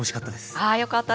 あよかったです。